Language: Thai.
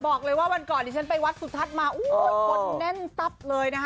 บอกเลยว่าวันก่อนที่ฉันไปวัดสุทัศน์มาคนแน่นตับเลยนะคะ